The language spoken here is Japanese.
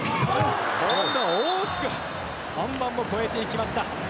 今度は大きく越えてきました。